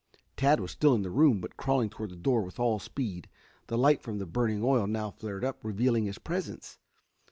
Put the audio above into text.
Tad was still in the room, but crawling toward the door with all speed. The light from the burning oil now flared up, revealing his presence.